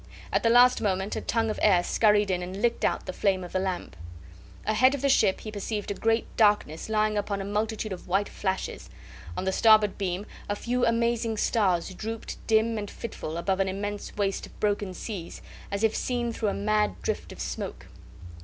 At the last moment a tongue of air scurried in and licked out the flame of the lamp. Ahead of the ship he perceived a great darkness lying upon a multitude of white flashes; on the starboard beam a few amazing stars drooped, dim and fitful, above an immense waste of broken seas, as if seen through a mad drift of smoke.